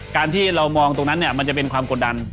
การที่เรามองตรงนั้นเนี่ยมันจะเป็นความกดดัน